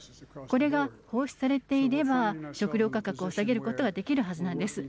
これが放出されていれば、食料価格を下げることはできるはずなんです。